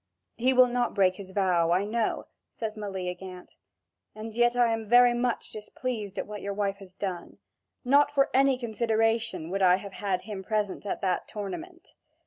"He will not break his word, I know," says Meleagant: "and yet I am very much displeased at what your wife has done. Not for any consideration would I have had him present at that tournament.